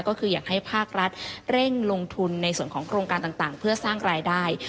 ก็คืออยากให้ภาครัฐเร่งลงทุนในส่วนของโครงการต่างเพื่อสร้างรายได้